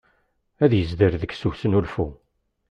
Ad yezder deg-s usnulfu.